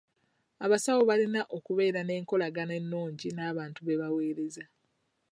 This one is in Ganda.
Abasawo balina okubeera n'enkolagana ennungi n'abantu be baweereza.